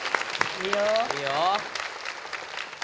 いいよ！